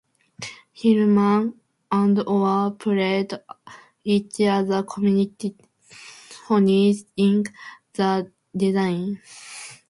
Hilleman and Orr played each other continually, honing the design.